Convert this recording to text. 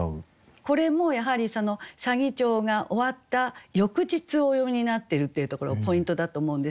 これもやはり左義長が終わった翌日をお詠みになってるっていうところポイントだと思うんです。